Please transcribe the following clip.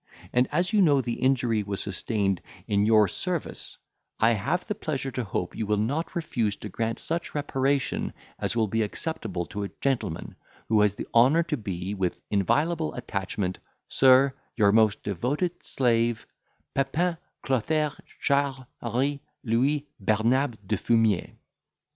And as you know the injury was sustained in your service, I have the pleasure to hope you will not refuse to grant such reparation as will be acceptable to a gentleman, who has the honour to be with inviolable attachment,— Sir, your most devoted slave, PEPIN CLOTHAIRE CHARLE HENRI LOOUIS BARNABE DE FUMIER."